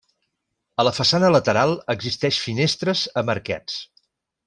A la façana lateral existeix finestres amb arquets.